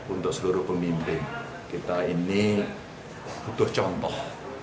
untuk seluruh pemimpin kita ini butuh contoh